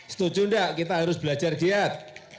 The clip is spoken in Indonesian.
setuju enggak kita harus belajar giat